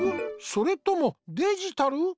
それともデジタル？